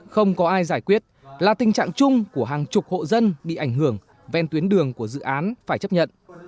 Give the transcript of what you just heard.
không có ai giải quyết là tình trạng chung của hàng chục hộ dân bị ảnh hưởng ven tuyến đường của dự án phải chấp nhận